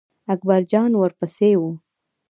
اکبر جان ور پسې و.